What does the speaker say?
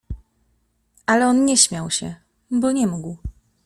Ale on nie śmiał się, bo nie mógł.